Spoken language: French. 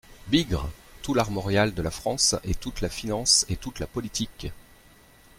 Bigre ! tout l'armorial de la France, et toute la finance, et toute la politique.